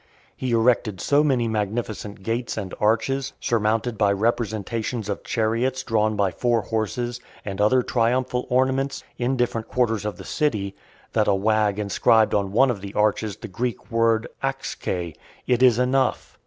He erected so many magnificent gates and arches, surmounted by representations of chariots drawn by four horses, and other triumphal ornaments, in different quarters of the city, that a wag inscribed on one of the arches the Greek word Axkei, "It is enough."